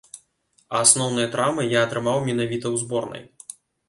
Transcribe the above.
А асноўныя траўмы я атрымаў менавіта ў зборнай.